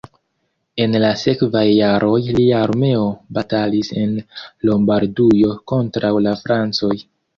En la sekvaj jaroj lia armeo batalis en Lombardujo kontraŭ la francoj.